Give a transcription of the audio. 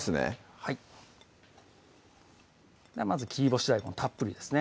はいまず切り干し大根たっぷりですね